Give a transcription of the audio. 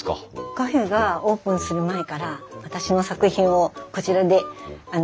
カフェがオープンする前から私の作品をこちらで展示させていただいてたんです。